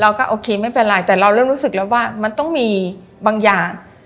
โอเคไม่เป็นไรแต่เราเริ่มรู้สึกแล้วว่ามันต้องมีบางอย่าง